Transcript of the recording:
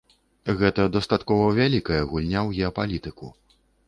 Гэта дастаткова вялікая гульня ў геапалітыку.